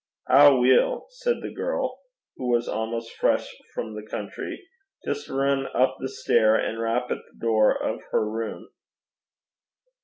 'Ow, weel,' said the girl, who was almost fresh from the country, 'jist rin up the stair, an' chap at the door o' her room.'